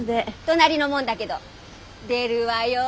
隣のもんだけど出るわよ